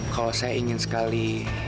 kalau saya ingin sekali